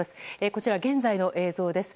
こちらは現在の映像です。